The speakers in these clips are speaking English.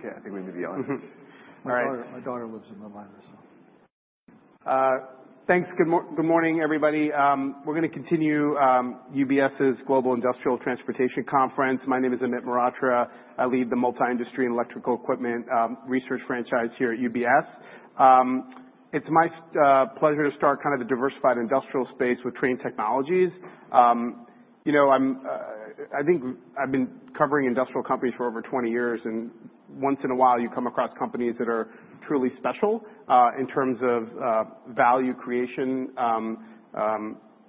Okay, I think we may be on. All right. My daughter lives in my living room, so. Thanks. Good morning, everybody. We're going to continue UBS's Global Industrial Transportation Conference. My name is Amit Mehrotra. I lead the Multi-Industry and Electrical Equipment Research Franchise here at UBS. It's my pleasure to start kind of the diversified industrial space with Trane Technologies. I think I've been covering industrial companies for over 20 years, and once in a while, you come across companies that are truly special in terms of value creation,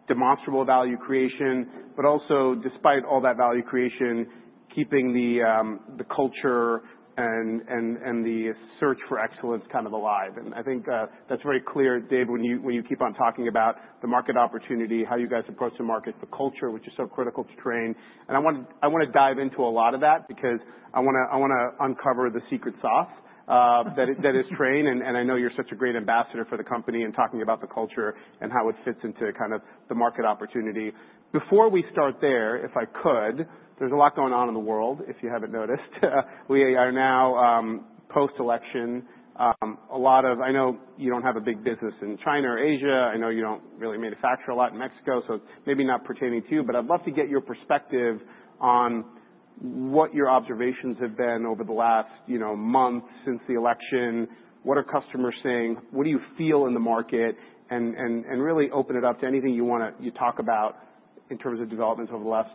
demonstrable value creation, but also, despite all that value creation, keeping the culture and the search for excellence kind of alive, and I want to dive into a lot of that because I want to uncover the secret sauce that is Trane. And I know you're such a great ambassador for the company in talking about the culture and how it fits into kind of the market opportunity. Before we start there, if I could, there's a lot going on in the world, if you haven't noticed. We are now post-election. I know you don't have a big business in China or Asia. I know you don't really manufacture a lot in Mexico, so it's maybe not pertaining to you. But I'd love to get your perspective on what your observations have been over the last month since the election. What are customers saying? What do you feel in the market? And really open it up to anything you want to talk about in terms of developments over the last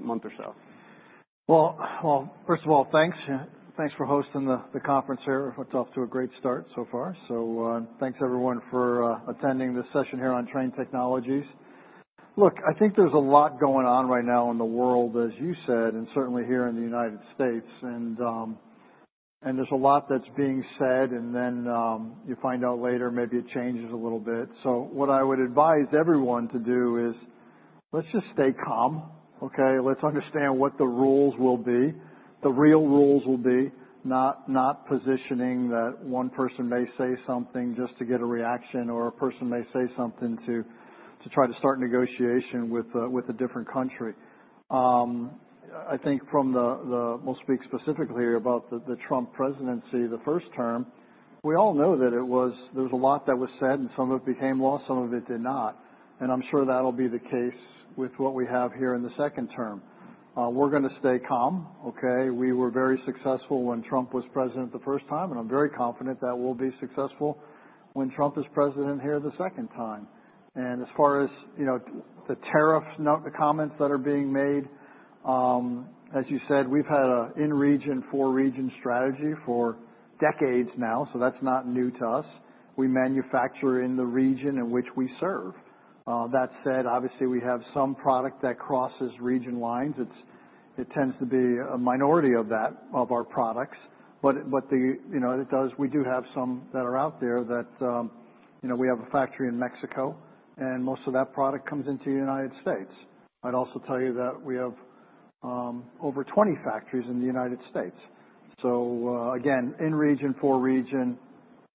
month or so. Well, first of all, thanks. Thanks for hosting the conference here. It's off to a great start so far. So thanks, everyone, for attending this session here on Trane Technologies. Look, I think there's a lot going on right now in the world, as you said, and certainly here in the United States. And there's a lot that's being said, and then you find out later, maybe it changes a little bit. So what I would advise everyone to do is let's just stay calm, okay? Let's understand what the rules will be. The real rules will be not positioning that one person may say something just to get a reaction, or a person may say something to try to start negotiation with a different country. I think from the - we'll speak specifically about the Trump presidency the first term. We all know that there was a lot that was said, and some of it became law, some of it did not. And I'm sure that'll be the case with what we have here in the second term. We're going to stay calm, okay? We were very successful when Trump was president the first time, and I'm very confident that we'll be successful when Trump is president here the second time. And as far as the tariffs, the comments that are being made, as you said, we've had an in-region, for-region strategy for decades now, so that's not new to us. We manufacture in the region in which we serve. That said, obviously, we have some product that crosses region lines. It tends to be a minority of our products. But it does, we do have some that are out there that we have a factory in Mexico, and most of that product comes into the United States. I'd also tell you that we have over 20 factories in the United States. So again, in-region, for-region,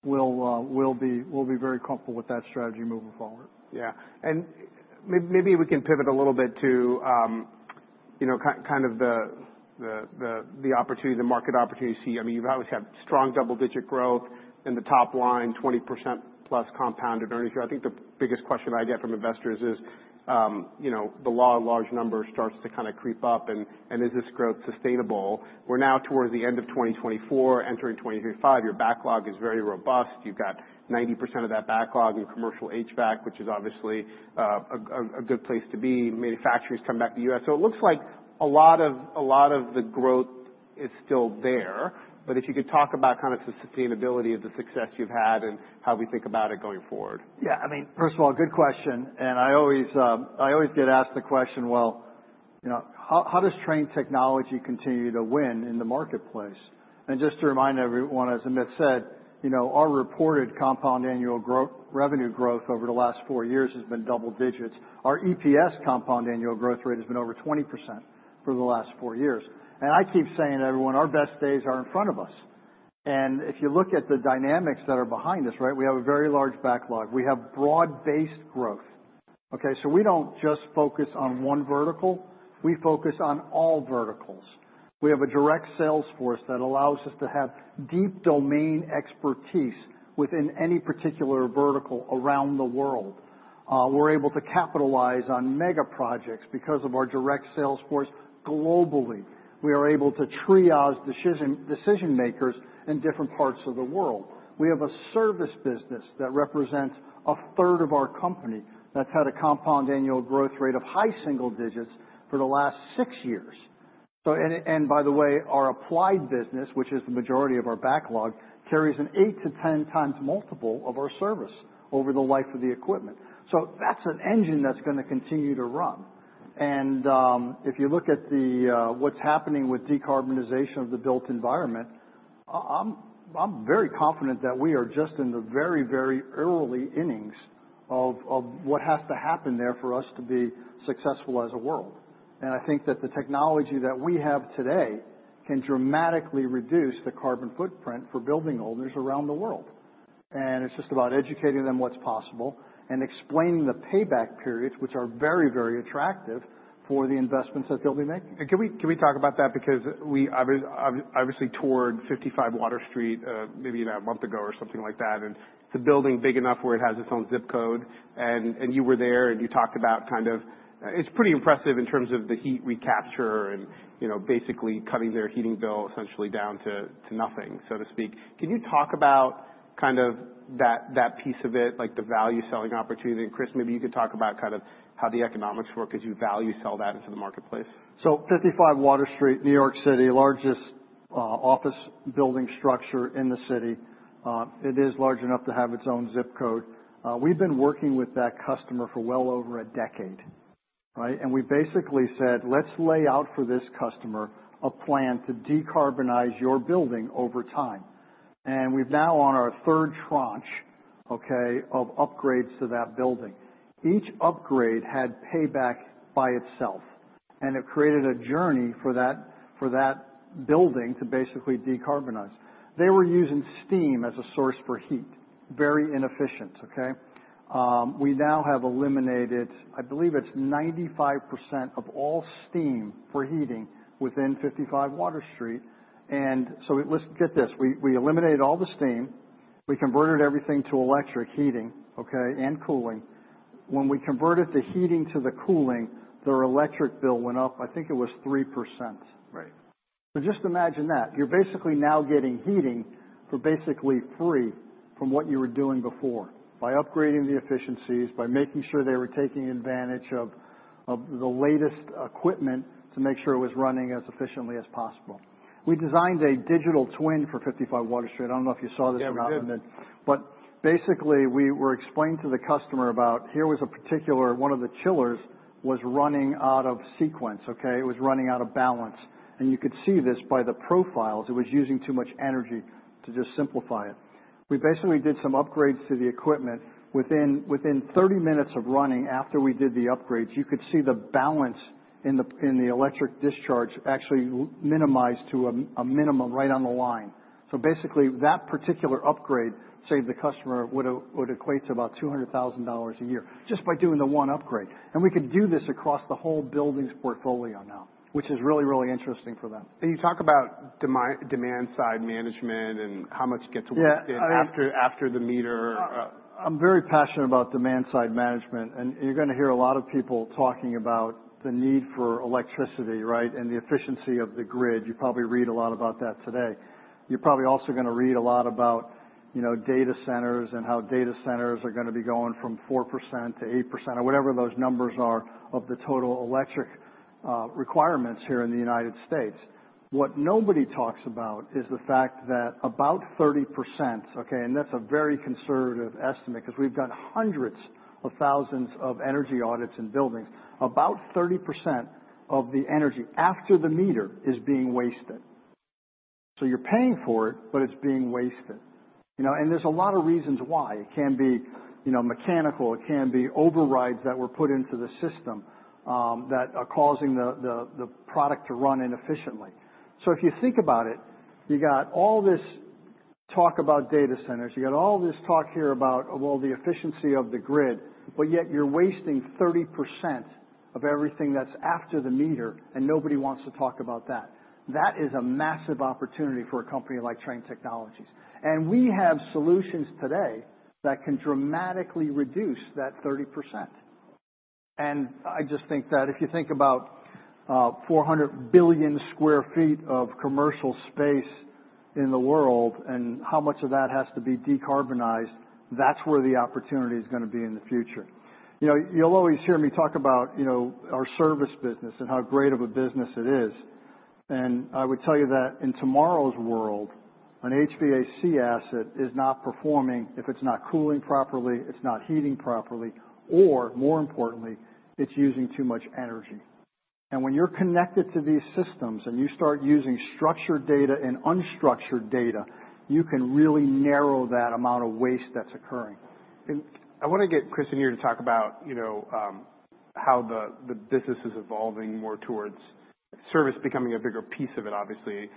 we'll be very comfortable with that strategy moving forward. Yeah. And maybe we can pivot a little bit to kind of the opportunity, the market opportunity you see. I mean, you've always had strong double-digit growth in the top line, 20%+ compounded earnings. I think the biggest question I get from investors is the law of large numbers starts to kind of creep up, and is this growth sustainable? We're now towards the end of 2024, entering 2025. Your backlog is very robust. You've got 90% of that backlog in commercial HVAC, which is obviously a good place to be. Manufacturing has come back to the U.S. So it looks like a lot of the growth is still there. But if you could talk about kind of the sustainability of the success you've had and how we think about it going forward. Yeah. I mean, first of all, good question. And I always get asked the question, well, how does Trane Technologies continue to win in the marketplace? And just to remind everyone, as Amit said, our reported compound annual revenue growth over the last four years has been double digits. Our EPS compound annual growth rate has been over 20% for the last four years. And I keep saying to everyone, our best days are in front of us. And if you look at the dynamics that are behind us, right, we have a very large backlog. We have broad-based growth, okay? So we don't just focus on one vertical. We focus on all verticals. We have a direct sales force that allows us to have deep domain expertise within any particular vertical around the world. We're able to capitalize on mega projects because of our direct sales force globally. We are able to triage decision-makers in different parts of the world. We have a service business that represents a third of our company that's had a compound annual growth rate of high single digits for the last six years. And by the way, our applied business, which is the majority of our backlog, carries an 8 to 10 times multiple of our service over the life of the equipment. So that's an engine that's going to continue to run. And if you look at what's happening with decarbonization of the built environment, I'm very confident that we are just in the very, very early innings of what has to happen there for us to be successful as a world. And I think that the technology that we have today can dramatically reduce the carbon footprint for building owners around the world. It's just about educating them what's possible and explaining the payback periods, which are very, very attractive for the investments that they'll be making. Can we talk about that? Because we obviously toured 55 Water Street maybe a month ago or something like that, and it's a building big enough where it has its own zip code, and you were there, and you talked about kind of it's pretty impressive in terms of the heat recapture and basically cutting their heating bill essentially down to nothing, so to speak. Can you talk about kind of that piece of it, like the value selling opportunity, and Chris, maybe you could talk about kind of how the economics work because you value sell that into the marketplace. 55 Water Street, New York City, [is the] largest office building structure in the city. It is large enough to have its own zip code. We've been working with that customer for well over a decade, right? We basically said, "Let's lay out for this customer a plan to decarbonize your building over time." We've now on our third tranche, okay, of upgrades to that building. Each upgrade had payback by itself, and it created a journey for that building to basically decarbonize. They were using steam as a source for heat, very inefficient, okay? We now have eliminated, I believe it's 95% of all steam for heating within 55 Water Street. So let's get this. We eliminated all the steam. We converted everything to electric heating, okay, and cooling. When we converted the heating to the cooling, their electric bill went up, I think it was 3%. Right. So just imagine that. You're basically now getting heating for basically free from what you were doing before by upgrading the efficiencies, by making sure they were taking advantage of the latest equipment to make sure it was running as efficiently as possible. We designed a digital twin for 55 Water Street. I don't know if you saw this or not. Yeah, we did. But basically, we were explaining to the customer about here was a particular one of the chillers was running out of sequence, okay? It was running out of balance. And you could see this by the profiles. It was using too much energy to just simplify it. We basically did some upgrades to the equipment. Within 30 minutes of running after we did the upgrades, you could see the balance in the electric discharge actually minimized to a minimum right on the line. So basically, that particular upgrade, say, the customer would equate to about $200,000 a year just by doing the one upgrade. And we could do this across the whole building's portfolio now, which is really, really interesting for them. Can you talk about demand-side management and how much you get to work after the meter? I'm very passionate about demand-side management, and you're going to hear a lot of people talking about the need for electricity, right, and the efficiency of the grid. You probably read a lot about that today. You're probably also going to read a lot about data centers and how data centers are going to be going from 4%-8% or whatever those numbers are of the total electric requirements here in the United States. What nobody talks about is the fact that about 30%, okay, and that's a very conservative estimate because we've done hundreds of thousands of energy audits in buildings, about 30% of the energy after the meter is being wasted, so you're paying for it, but it's being wasted, and there's a lot of reasons why. It can be mechanical. It can be overrides that were put into the system that are causing the product to run inefficiently. So if you think about it, you got all this talk about data centers. You got all this talk here about, well, the efficiency of the grid, but yet you're wasting 30% of everything that's after the meter, and nobody wants to talk about that. That is a massive opportunity for a company like Trane Technologies. And we have solutions today that can dramatically reduce that 30%. And I just think that if you think about 400 billion sq ft of commercial space in the world and how much of that has to be decarbonized, that's where the opportunity is going to be in the future. You'll always hear me talk about our service business and how great of a business it is. I would tell you that in tomorrow's world, an HVAC asset is not performing if it's not cooling properly, it's not heating properly, or more importantly, it's using too much energy. When you're connected to these systems and you start using structured data and unstructured data, you can really narrow that amount of waste that's occurring. I want to get Chris in here to talk about how the business is evolving more towards service becoming a bigger piece of it, obviously.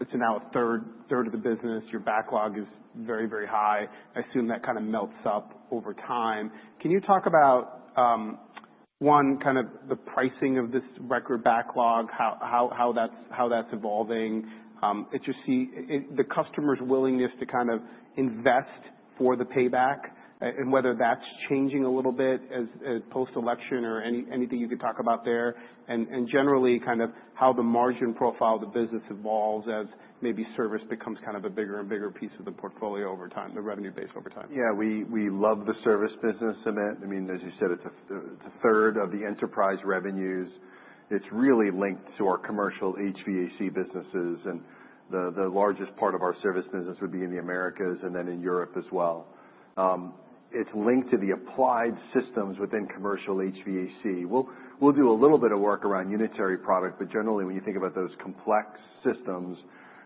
It's now a third of the business. Your backlog is very, very high. I assume that kind of melts up over time. Can you talk about, one, kind of the pricing of this record backlog, how that's evolving, the customer's willingness to kind of invest for the payback, and whether that's changing a little bit post-election or anything you could talk about there, and generally kind of how the margin profile of the business evolves as maybe service becomes kind of a bigger and bigger piece of the portfolio over time, the revenue base over time? Yeah. We love the service business, Amit. I mean, as you said, it's a third of the enterprise revenues. It's really linked to our commercial HVAC businesses. And the largest part of our service business would be in the Americas and then in Europe as well. It's linked to the applied systems within commercial HVAC. We'll do a little bit of work around unitary product, but generally, when you think about those complex systems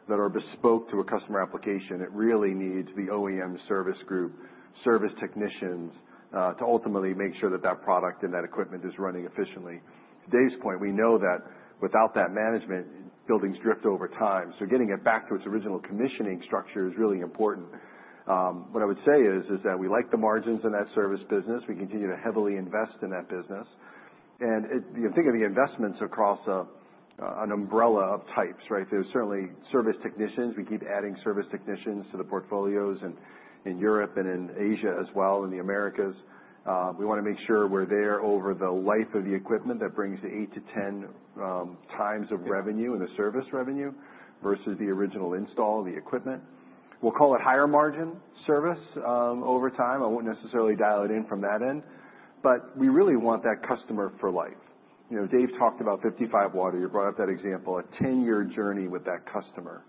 that are bespoke to a customer application, it really needs the OEM service group, service technicians to ultimately make sure that that product and that equipment is running efficiently. To Dave's point, we know that without that management, buildings drift over time. So getting it back to its original commissioning structure is really important. What I would say is that we like the margins in that service business. We continue to heavily invest in that business. And think of the investments across an umbrella of types, right? There's certainly service technicians. We keep adding service technicians to the portfolios in Europe and in Asia as well in the Americas. We want to make sure we're there over the life of the equipment that brings the 8-10x of revenue in the service revenue versus the original install of the equipment. We'll call it higher margin service over time. I won't necessarily dial it in from that end. But we really want that customer for life. Dave talked about 55 Water. You brought up that example, a 10-year journey with that customer.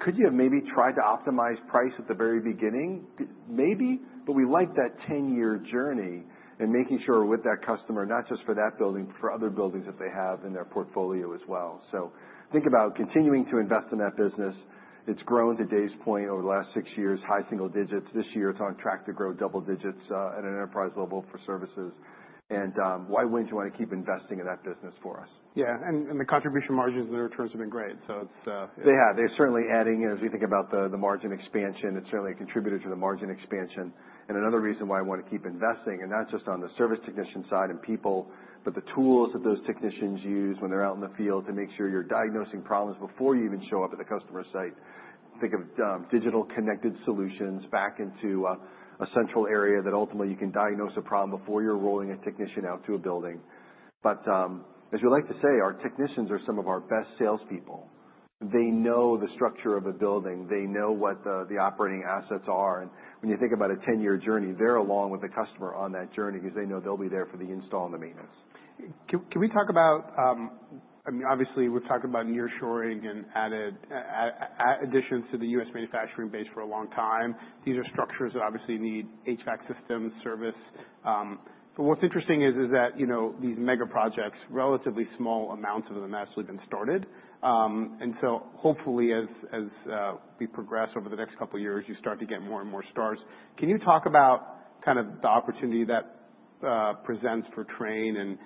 Could you have maybe tried to optimize price at the very beginning? Maybe, but we like that 10-year journey and making sure with that customer, not just for that building, but for other buildings that they have in their portfolio as well. So think about continuing to invest in that business. It's grown to Dave's point over the last six years, high single digits. This year, it's on track to grow double digits at an enterprise level for services. And why wouldn't you want to keep investing in that business for us? Yeah, and the contribution margins and the returns have been great, so it's. They have. They're certainly adding, and as we think about the margin expansion, it's certainly a contributor to the margin expansion, and another reason why I want to keep investing, and not just on the service technician side and people, but the tools that those technicians use when they're out in the field to make sure you're diagnosing problems before you even show up at the customer site. Think of digital connected solutions back into a central area that ultimately you can diagnose a problem before you're rolling a technician out to a building, but as we like to say, our technicians are some of our best salespeople. They know the structure of a building. They know what the operating assets are, and when you think about a 10-year journey, they're along with the customer on that journey because they know they'll be there for the install and the maintenance. Can we talk about, I mean, obviously, we've talked about nearshoring and additions to the U.S. manufacturing base for a long time. These are structures that obviously need HVAC systems, service. But what's interesting is that these mega projects, relatively small amounts of them as we've been stating. And so hopefully, as we progress over the next couple of years, you start to get more and more starts. Can you talk about kind of the opportunity that presents for Trane? And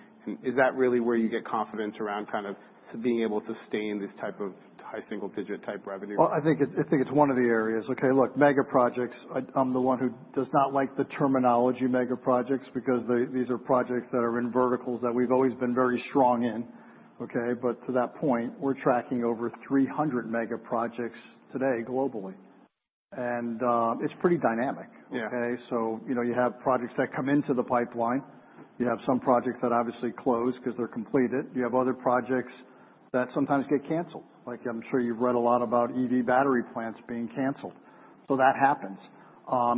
is that really where you get confidence around kind of being able to sustain this type of high single digit type revenue? I think it's one of the areas. Okay, look, mega projects. I'm the one who does not like the terminology mega projects because these are projects that are in verticals that we've always been very strong in, okay? To that point, we're tracking over 300 mega projects today globally. It's pretty dynamic, okay? You have projects that come into the pipeline. You have some projects that obviously close because they're completed. You have other projects that sometimes get canceled. Like I'm sure you've read a lot about EV battery plants being canceled. That happens.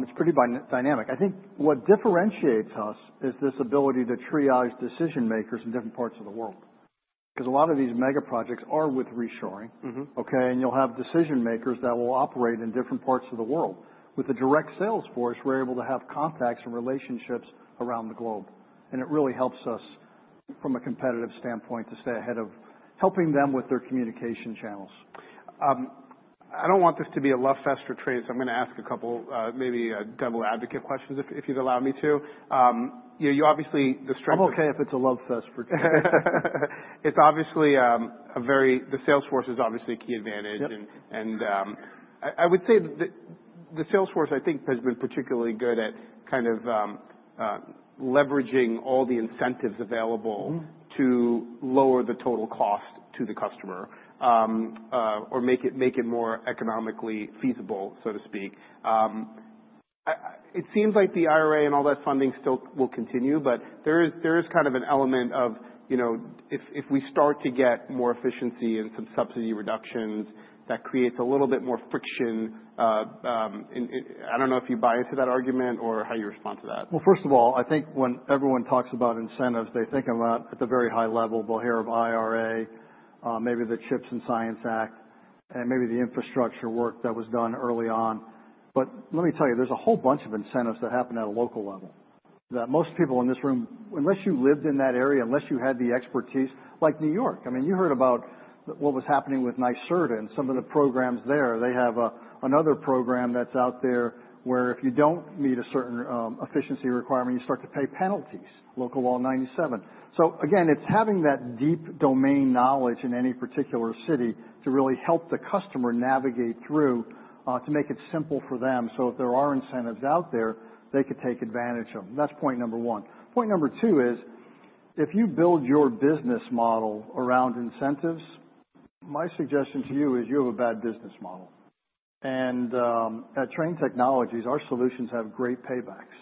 It's pretty dynamic. I think what differentiates us is this ability to triage decision-makers in different parts of the world because a lot of these mega projects are with reshoring, okay? You'll have decision-makers that will operate in different parts of the world. With the direct salesforce, we're able to have contacts and relationships around the globe. And it really helps us from a competitive standpoint to stay ahead of helping them with their communication channels. I don't want this to be a love fest for Trane. So I'm going to ask a couple, maybe devil's advocate questions if you'd allow me to. You obviously. I'm okay if it's a love fest for Trane. It's obvious that the sales force is obviously a key advantage. I would say that the sales force, I think, has been particularly good at kind of leveraging all the incentives available to lower the total cost to the customer or make it more economically feasible, so to speak. It seems like the IRA and all that funding still will continue, but there is kind of an element of if we start to get more efficiency and some subsidy reductions, that creates a little bit more friction. I don't know if you buy into that argument or how you respond to that. First of all, I think when everyone talks about incentives, they think of that at the very high level. We'll hear of IRA, maybe the CHIPS and Science Act, and maybe the infrastructure work that was done early on. But let me tell you, there's a whole bunch of incentives that happen at a local level that most people in this room, unless you lived in that area, unless you had the expertise, like New York. I mean, you heard about what was happening with NYSERDA and some of the programs there. They have another program that's out there where if you don't meet a certain efficiency requirement, you start to pay penalties, Local Law 97. So again, it's having that deep domain knowledge in any particular city to really help the customer navigate through to make it simple for them. So if there are incentives out there, they could take advantage of them. That's point number one. Point number two is if you build your business model around incentives, my suggestion to you is you have a bad business model. And at Trane Technologies, our solutions have great paybacks.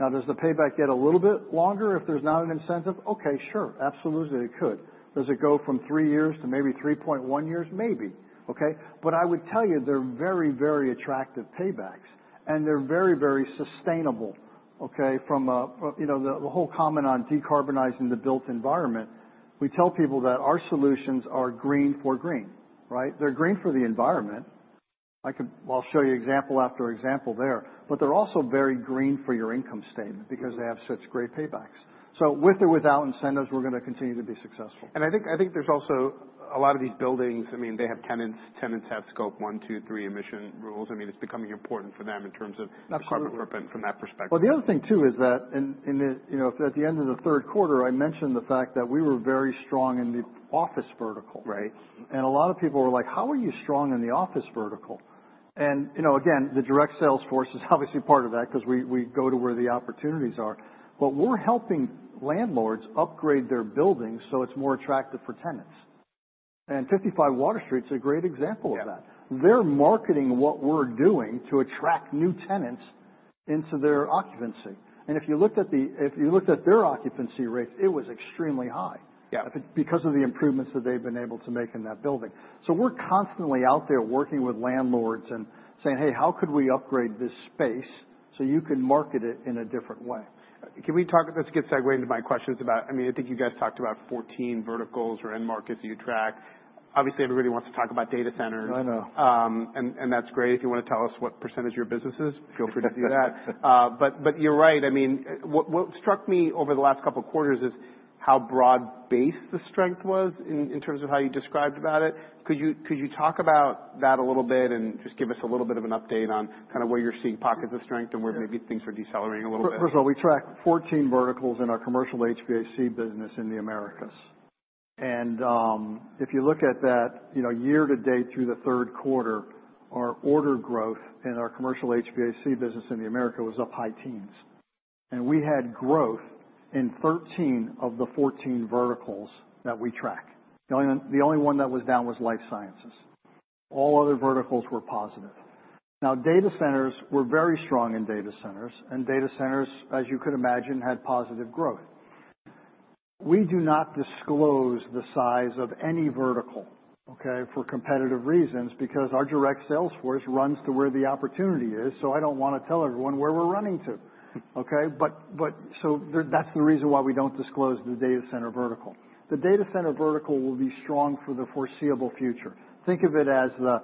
Now, does the payback get a little bit longer if there's not an incentive? Okay, sure. Absolutely, it could. Does it go from three years to maybe 3.1 years? Maybe, okay? But I would tell you, they're very, very attractive paybacks, and they're very, very sustainable, okay? From the whole comment on decarbonizing the built environment, we tell people that our solutions are green for green, right? They're green for the environment. I'll show you example after example there. But they're also very green for your income statement because they have such great paybacks. With or without incentives, we're going to continue to be successful. I think there's also a lot of these buildings, I mean, they have tenants. Tenants have Scope 1, 2, 3 emission rules. I mean, it's becoming important for them in terms of carbon footprint from that perspective. The other thing too is that at the end of the third quarter, I mentioned the fact that we were very strong in the office vertical, right? A lot of people were like, "How are you strong in the office vertical?" Again, the direct salesforce is obviously part of that because we go to where the opportunities are. We're helping landlords upgrade their buildings so it's more attractive for tenants. 55 Water Street's a great example of that. They're marketing what we're doing to attract new tenants into their occupancy. If you looked at their occupancy rates, it was extremely high because of the improvements that they've been able to make in that building. We're constantly out there working with landlords and saying, "Hey, how could we upgrade this space so you can market it in a different way? Can we talk? That's a good segue into my questions about, I mean, I think you guys talked about 14 verticals or end markets that you track. Obviously, everybody wants to talk about data centers. I know. That's great. If you want to tell us what percentage of your business is, feel free to do that. You're right. I mean, what struck me over the last couple of quarters is how broad-based the strength was in terms of how you described about it. Could you talk about that a little bit and just give us a little bit of an update on kind of where you're seeing pockets of strength and where maybe things are decelerating a little bit? First of all, we track 14 verticals in our commercial HVAC business in the Americas. And if you look at that year to date through the third quarter, our order growth in our commercial HVAC business in the Americas was up high teens. And we had growth in 13 of the 14 verticals that we track. The only one that was down was life sciences. All other verticals were positive. Now, data centers, we're very strong in data centers. And data centers, as you could imagine, had positive growth. We do not disclose the size of any vertical, okay, for competitive reasons because our direct salesforce runs to where the opportunity is. So I don't want to tell everyone where we're running to, okay? But so that's the reason why we don't disclose the data center vertical. The data center vertical will be strong for the foreseeable future. Think of it as the.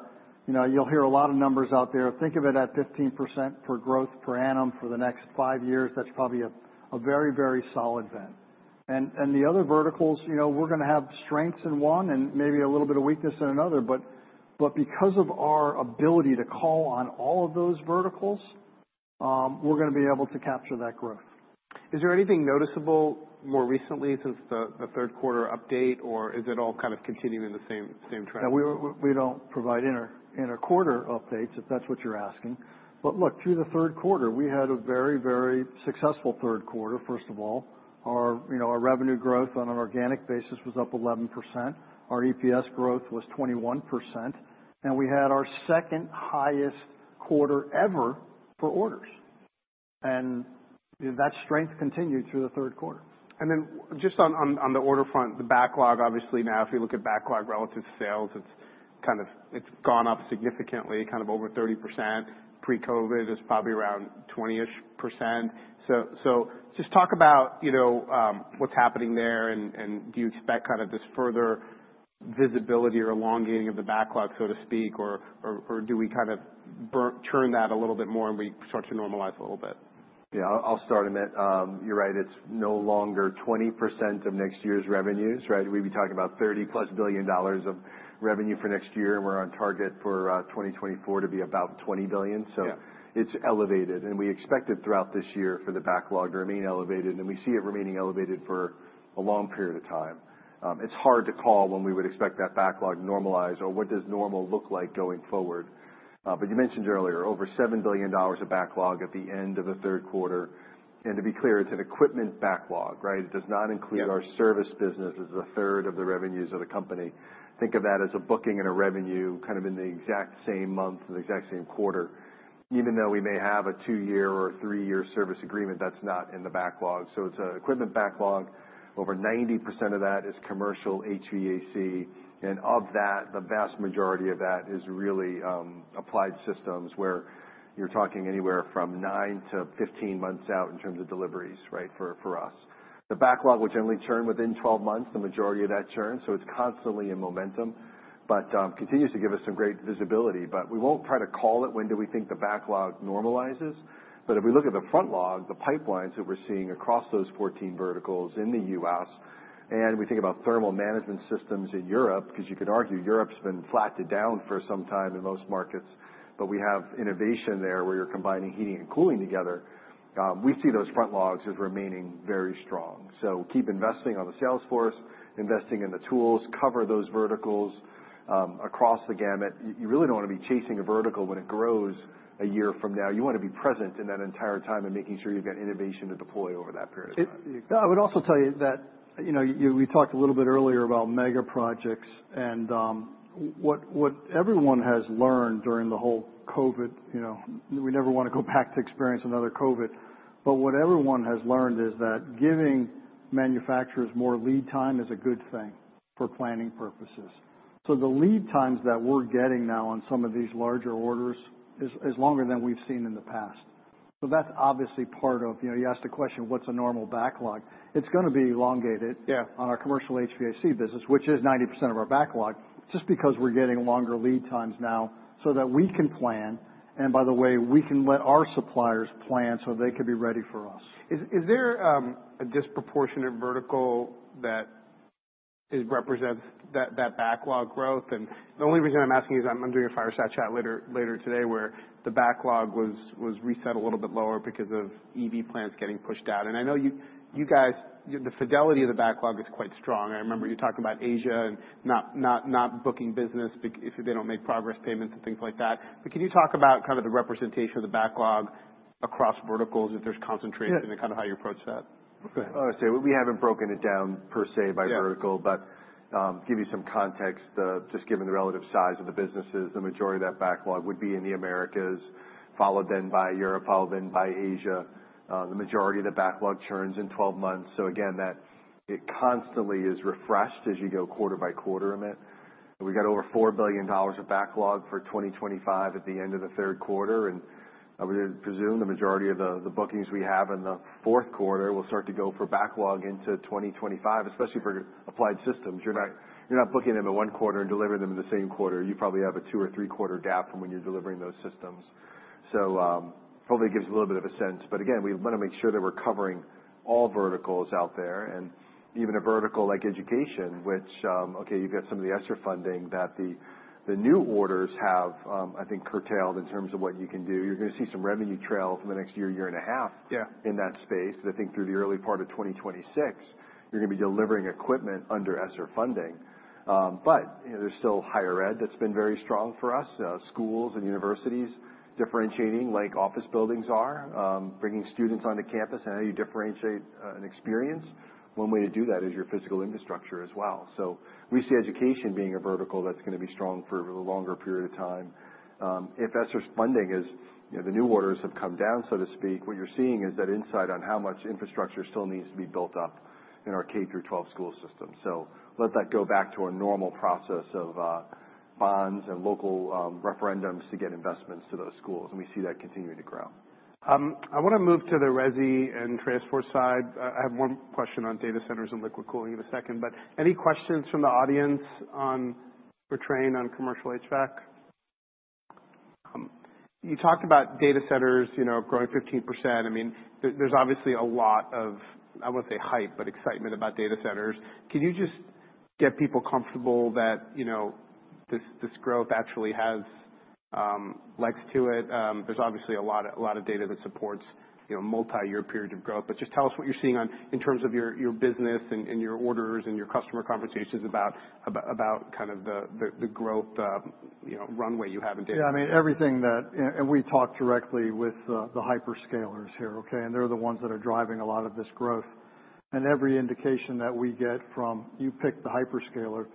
You'll hear a lot of numbers out there. Think of it at 15% for growth per annum for the next five years. That's probably a very, very solid bet. The other verticals, you know, we're going to have strengths in one and maybe a little bit of weakness in another. But because of our ability to call on all of those verticals, we're going to be able to capture that growth. Is there anything noticeable more recently since the third quarter update, or is it all kind of continuing the same track? Now, we don't provide interquarter updates if that's what you're asking. But look, through the third quarter, we had a very, very successful third quarter, first of all. Our revenue growth on an organic basis was up 11%. Our EPS growth was 21%. And we had our second highest quarter ever for orders. And that strength continued through the third quarter. And then, just on the order front, the backlog, obviously, now if you look at backlog relative to sales, it's kind of gone up significantly, kind of over 30%. Pre-COVID, it was probably around 20-ish%. So just talk about what's happening there, and do you expect kind of this further visibility or elongating of the backlog, so to speak, or do we kind of churn that a little bit more and we start to normalize a little bit? Yeah, I'll start on that. You're right. It's no longer 20% of next year's revenues, right? We'd be talking about $30+ billion of revenue for next year, and we're on target for 2024 to be about $20 billion. So it's elevated. And we expected throughout this year for the backlog to remain elevated, and we see it remaining elevated for a long period of time. It's hard to call when we would expect that backlog to normalize or what does normal look like going forward. But you mentioned earlier over $7 billion of backlog at the end of the third quarter. And to be clear, it's an equipment backlog, right? It does not include our service business as a third of the revenues of the company. Think of that as a booking and a revenue kind of in the exact same month, the exact same quarter. Even though we may have a two-year or three-year service agreement, that's not in the backlog. So it's an equipment backlog. Over 90% of that is commercial HVAC. And of that, the vast majority of that is really applied systems where you're talking anywhere from nine to 15 months out in terms of deliveries, right, for us. The backlog will generally churn within 12 months, the majority of that churn. So it's constantly in momentum, but continues to give us some great visibility. But we won't try to call it when do we think the backlog normalizes. But if we look at the front log, the pipelines that we're seeing across those 14 verticals in the U.S., and we think about thermal management systems in Europe, because you could argue Europe's been flattened down for some time in most markets, but we have innovation there where you're combining heating and cooling together, we see those front logs as remaining very strong. So keep investing on the salesforce, investing in the tools, cover those verticals across the gamut. You really don't want to be chasing a vertical when it grows a year from now. You want to be present in that entire time and making sure you've got innovation to deploy over that period of time. I would also tell you that we talked a little bit earlier about mega projects and what everyone has learned during the whole COVID. We never want to go back to experience another COVID. But what everyone has learned is that giving manufacturers more lead time is a good thing for planning purposes. So the lead times that we're getting now on some of these larger orders is longer than we've seen in the past. So that's obviously part of, you asked the question, what's a normal backlog? It's going to be elongated on our commercial HVAC business, which is 90% of our backlog, just because we're getting longer lead times now so that we can plan. And by the way, we can let our suppliers plan so they can be ready for us. Is there a disproportionate vertical that represents that backlog growth? And the only reason I'm asking is I'm doing a Fireside Chat later today where the backlog was reset a little bit lower because of EV plants getting pushed out. And I know you guys, the fidelity of the backlog is quite strong. I remember you talking about Asia and not booking business if they don't make progress payments and things like that. But can you talk about kind of the representation of the backlog across verticals if there's concentration and kind of how you approach that? I'll say we haven't broken it down per se by vertical, but give you some context. Just given the relative size of the businesses, the majority of that backlog would be in the Americas, followed then by Europe, followed then by Asia. The majority of the backlog churns in 12 months. So again, that constantly is refreshed as you go quarter by quarter in it. We've got over $4 billion of backlog for 2025 at the end of the third quarter. And I would presume the majority of the bookings we have in the fourth quarter will start to go for backlog into 2025, especially for applied systems. You're not booking them in one quarter and delivering them in the same quarter. You probably have a two or three-quarter gap from when you're delivering those systems. So hopefully it gives a little bit of a sense. But again, we want to make sure that we're covering all verticals out there. And even a vertical like education, which, okay, you've got some of the extra funding that the new orders have, I think, curtailed in terms of what you can do. You're going to see some revenue trail from the next year, year and a half in that space. But I think through the early part of 2026, you're going to be delivering equipment under ESSER funding. But there's still higher ed that's been very strong for us, schools and universities differentiating like office buildings are, bringing students onto campus. And how do you differentiate an experience? One way to do that is your physical infrastructure as well. So we see education being a vertical that's going to be strong for a longer period of time. If ESSER's funding is, the new orders have come down, so to speak. What you're seeing is that insight on how much infrastructure still needs to be built up in our K-12 school system. So let that go back to a normal process of bonds and local referendums to get investments to those schools, and we see that continuing to grow. I want to move to the Resi and transport side. I have one question on data centers and liquid cooling in a second. But any questions from the audience for Trane on commercial HVAC? You talked about data centers growing 15%. I mean, there's obviously a lot of, I won't say hype, but excitement about data centers. Can you just get people comfortable that this growth actually has legs to it? There's obviously a lot of data that supports multi-year period of growth. But just tell us what you're seeing in terms of your business and your orders and your customer conversations about kind of the growth runway you have in data. Yeah, I mean, everything that, and we talk directly with the hyperscalers here, okay? And they're the ones that are driving a lot of this growth. And every indication that we get from you pick the hyperscaler,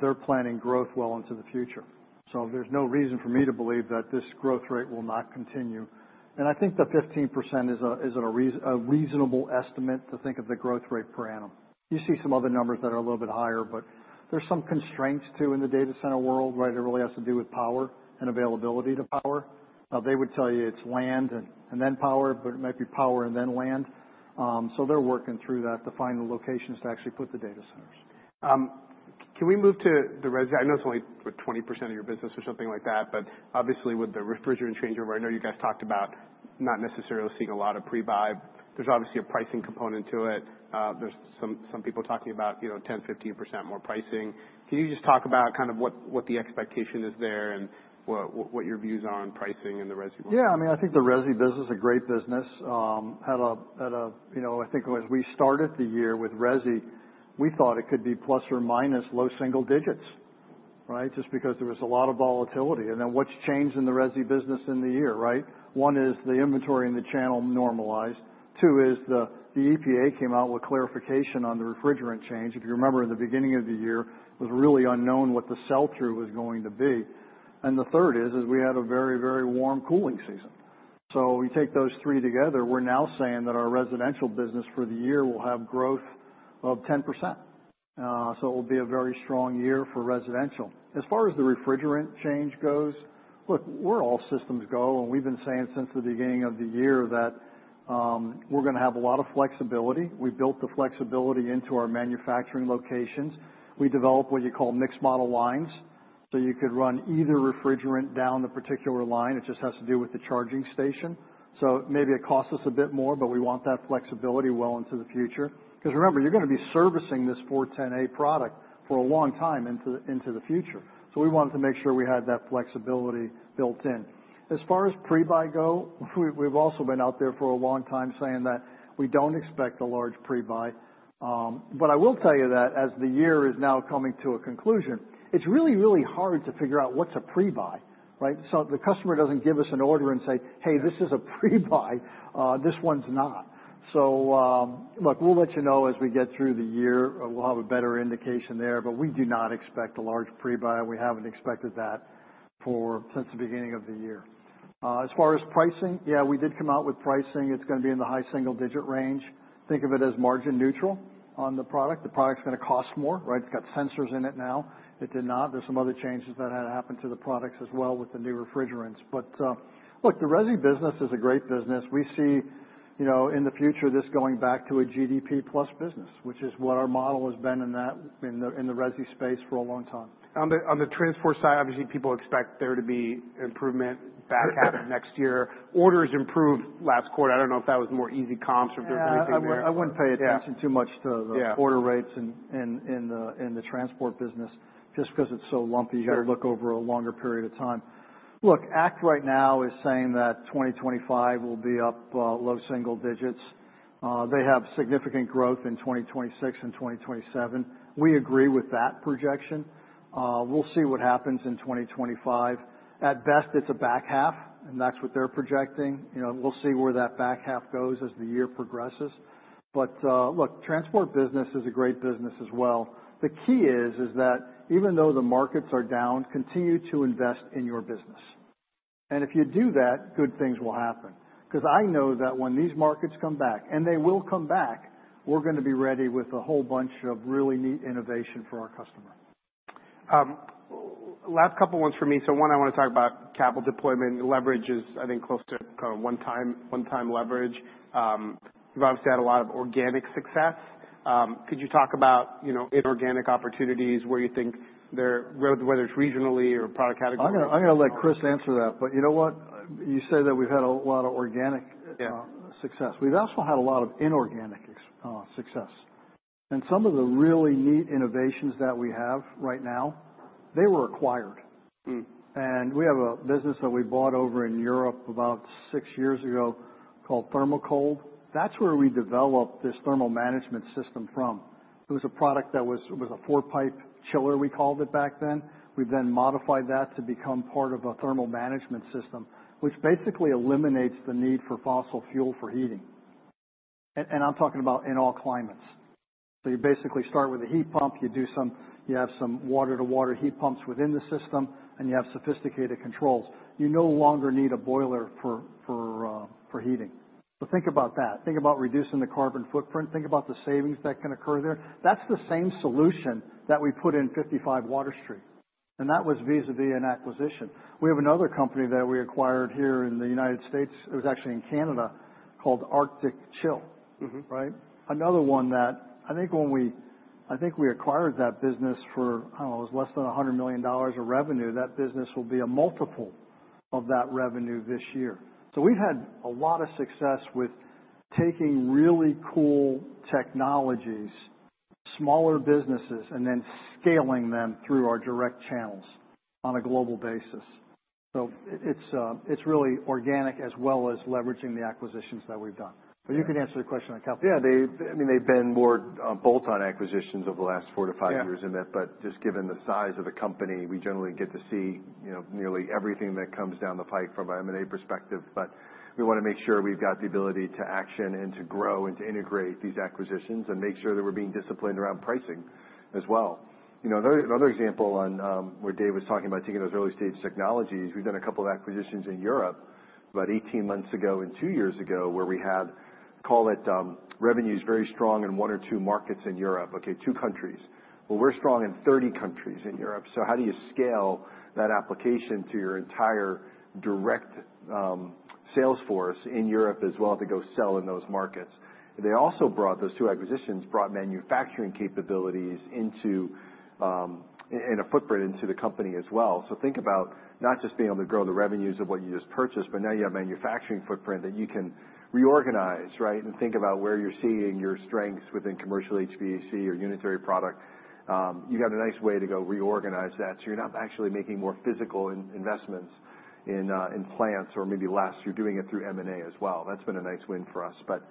they're planning growth well into the future. So there's no reason for me to believe that this growth rate will not continue. And I think the 15% is a reasonable estimate to think of the growth rate per annum. You see some other numbers that are a little bit higher, but there's some constraints too in the data center world, right? It really has to do with power and availability to power. Now, they would tell you it's land and then power, but it might be power and then land. So they're working through that to find the locations to actually put the data centers. Can we move to the Resi? I know it's only 20% of your business or something like that, but obviously with the refrigerant changeover, I know you guys talked about not necessarily seeing a lot of pre-buy. There's obviously a pricing component to it. There's some people talking about 10%-15% more pricing. Can you just talk about kind of what the expectation is there and what your views are on pricing and the Resi? Yeah, I mean, I think the Resi business is a great business. Had a, I think as we started the year with Resi, we thought it could be plus or minus low single digits, right? Just because there was a lot of volatility, and then what's changed in the Resi business in the year, right? One is the inventory in the channel normalized. Two is the EPA came out with clarification on the refrigerant change. If you remember in the beginning of the year, it was really unknown what the sell-through was going to be, and the third is we had a very, very warm cooling season, so you take those three together, we're now saying that our residential business for the year will have growth of 10%. So it will be a very strong year for residential. As far as the refrigerant change goes, look, we're all systems go. And we've been saying since the beginning of the year that we're going to have a lot of flexibility. We built the flexibility into our manufacturing locations. We developed what you call mixed model lines. So you could run either refrigerant down the particular line. It just has to do with the charging station. So maybe it costs us a bit more, but we want that flexibility well into the future. Because remember, you're going to be servicing this 410A product for a long time into the future. So we wanted to make sure we had that flexibility built in. As far as pre-buy goes, we've also been out there for a long time saying that we don't expect a large pre-buy. But I will tell you that as the year is now coming to a conclusion, it's really, really hard to figure out what's a pre-buy, right? So the customer doesn't give us an order and say, "Hey, this is a pre-buy. This one's not." So look, we'll let you know as we get through the year. We'll have a better indication there, but we do not expect a large pre-buy. We haven't expected that since the beginning of the year. As far as pricing, yeah, we did come out with pricing. It's going to be in the high single-digit range. Think of it as margin neutral on the product. The product's going to cost more, right? It's got sensors in it now. It did not. There's some other changes that had happened to the products as well with the new refrigerants. But look, the Resi business is a great business. We see in the future this going back to a GDP plus business, which is what our model has been in the Resi space for a long time. On the transport side, obviously people expect there to be improvement back at it next year. Orders improved last quarter. I don't know if that was more easy comps or if there was anything there. I wouldn't pay attention too much to the order rates in the transport business just because it's so lumpy. You got to look over a longer period of time. Look, ACT right now is saying that 2025 will be up low single digits. They have significant growth in 2026 and 2027. We agree with that projection. We'll see what happens in 2025. At best, it's a back half, and that's what they're projecting. We'll see where that back half goes as the year progresses. But look, transport business is a great business as well. The key is that even though the markets are down, continue to invest in your business. And if you do that, good things will happen. Because I know that when these markets come back, and they will come back, we're going to be ready with a whole bunch of really neat innovation for our customer. Last couple of ones for me. So one, I want to talk about capital deployment. Leverage is, I think, close to kind of one-time leverage. You've obviously had a lot of organic success. Could you talk about inorganic opportunities where you think they're whether it's regionally or product category? I'm going to let Chris answer that. But you know what? You say that we've had a lot of organic success. We've also had a lot of inorganic success. And some of the really neat innovations that we have right now, they were acquired. And we have a business that we bought over in Europe about six years ago called Thermocold. That's where we developed this thermal management system from. It was a product that was a four-pipe chiller, we called it back then. We've then modified that to become part of a thermal management system, which basically eliminates the need for fossil fuel for heating. And I'm talking about in all climates. So you basically start with a heat pump, you have some water-to-water heat pumps within the system, and you have sophisticated controls. You no longer need a boiler for heating. So think about that. Think about reducing the carbon footprint. Think about the savings that can occur there. That's the same solution that we put in 55 Water Street, and that was vis-à-vis an acquisition. We have another company that we acquired here in the United States. It was actually in Canada called Arctic Chill, right? Another one that I think when we acquired that business for, I don't know, it was less than $100 million of revenue, that business will be a multiple of that revenue this year so we've had a lot of success with taking really cool technologies, smaller businesses, and then scaling them through our direct channels on a global basis so it's really organic as well as leveraging the acquisitions that we've done, but you can answer the question on capital. Yeah, I mean, they've been more bolt-on acquisitions over the last four to five years in that. But just given the size of the company, we generally get to see nearly everything that comes down the pipe from an M&A perspective. But we want to make sure we've got the ability to action and to grow and to integrate these acquisitions and make sure that we're being disciplined around pricing as well. Another example on where Dave was talking about taking those early-stage technologies, we've done a couple of acquisitions in Europe about 18 months ago and two years ago where we had, call it revenues very strong in one or two markets in Europe, okay, two countries. Well, we're strong in 30 countries in Europe. So how do you scale that application to your entire direct sales force in Europe as well to go sell in those markets? They also brought those two acquisitions, brought manufacturing capabilities and a footprint into the company as well, so think about not just being able to grow the revenues of what you just purchased, but now you have manufacturing footprint that you can reorganize, right, and think about where you're seeing your strengths within commercial HVAC or unitary product. You got a nice way to go reorganize that, so you're not actually making more physical investments in plants or maybe less. You're doing it through M&A as well. That's been a nice win for us, but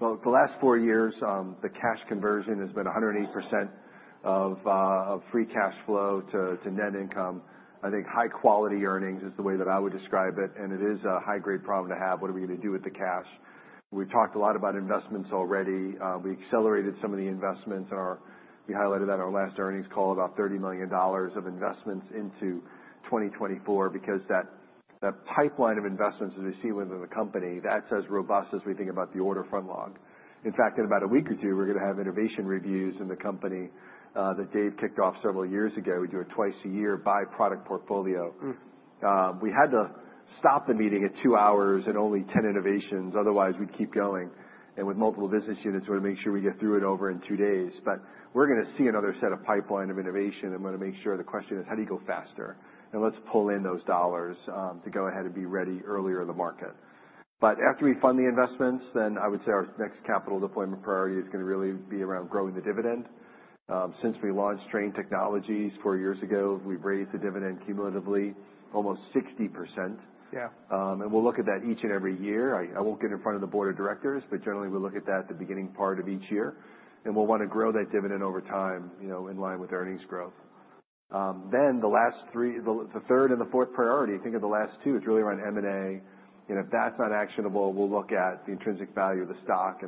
the last four years, the cash conversion has been 108% of free cash flow to net income. I think high-quality earnings is the way that I would describe it, and it is a high-grade problem to have. What are we going to do with the cash? We talked a lot about investments already. We accelerated some of the investments we highlighted that in our last earnings call about $30 million of investments into 2024 because that pipeline of investments as we see within the company. That's as robust as we think about the order backlog. In fact, in about a week or two, we're going to have innovation reviews in the company that Dave kicked off several years ago. We do a twice-a-year by-product portfolio. We had to stop the meeting at two hours and only 10 innovations. Otherwise, we'd keep going, and with multiple business units, we're going to make sure we get through it over two days, but we're going to see another set of pipeline of innovation. I'm going to make sure the question is, how do you go faster? And let's pull in those dollars to go ahead and be ready earlier in the market. But after we fund the investments, then I would say our next capital deployment priority is going to really be around growing the dividend. Since we launched Trane Technologies four years ago, we've raised the dividend cumulatively almost 60%. And we'll look at that each and every year. I won't get in front of the board of directors, but generally we look at that at the beginning part of each year. And we'll want to grow that dividend over time in line with earnings growth. Then the last three, the third and the fourth priority, think of the last two, it's really around M&A. And if that's not actionable, we'll look at the intrinsic value of the stock,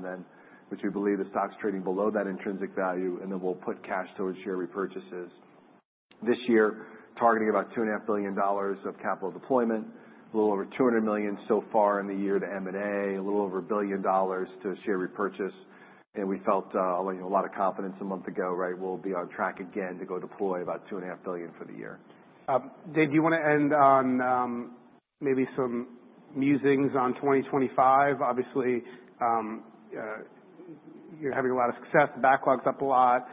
which we believe the stock's trading below that intrinsic value, and then we'll put cash towards share repurchases. This year, targeting about $2.5 billion of capital deployment, a little over $200 million so far in the year to M&A, a little over $1 billion to share repurchase, and we felt a lot of confidence a month ago, right? We'll be on track again to go deploy about $2.5 billion for the year. Dave, do you want to end on maybe some musings on 2025? Obviously, you're having a lot of success. The backlog's up a lot.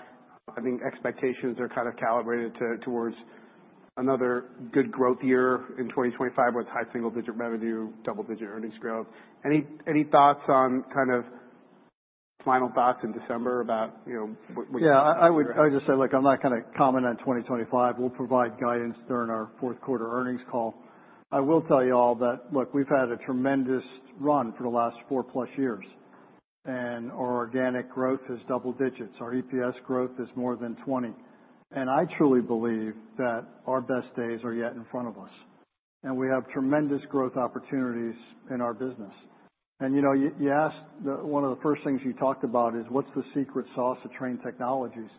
I think expectations are kind of calibrated towards another good growth year in 2025 with high single-digit revenue, double-digit earnings growth. Any thoughts on kind of final thoughts in December about what you're doing? Yeah, I would just say, look, I'm not going to comment on 2025. We'll provide guidance during our fourth quarter earnings call. I will tell you all that, look, we've had a tremendous run for the last four-plus years. And our organic growth is double digits. Our EPS growth is more than 20. And I truly believe that our best days are yet in front of us. And we have tremendous growth opportunities in our business. And you asked, one of the first things you talked about is, what's the secret sauce of Trane Technologies?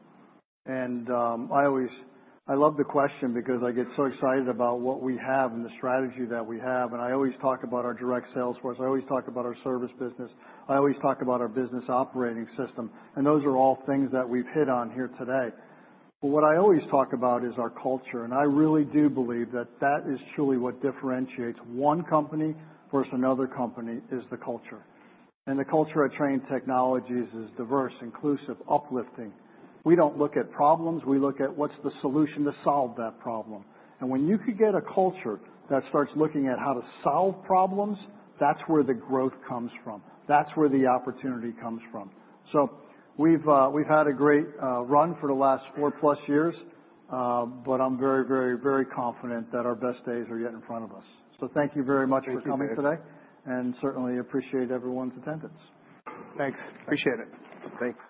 And I love the question because I get so excited about what we have and the strategy that we have. And I always talk about our direct sales force. I always talk about our service business. I always talk about our business operating system. And those are all things that we've hit on here today. But what I always talk about is our culture. And I really do believe that that is truly what differentiates one company versus another company is the culture. And the culture at Trane Technologies is diverse, inclusive, uplifting. We don't look at problems. We look at what's the solution to solve that problem. And when you could get a culture that starts looking at how to solve problems, that's where the growth comes from. That's where the opportunity comes from. So we've had a great run for the last four-plus years. But I'm very, very, very confident that our best days are yet in front of us. So thank you very much for coming today. And certainly appreciate everyone's attendance. Thanks. Appreciate it. Thanks.